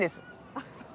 あっそう。